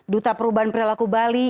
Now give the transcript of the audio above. duta perubahan perilaku bali